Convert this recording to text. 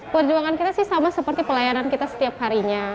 perjuangan kita sih sama seperti pelayanan kita setiap harinya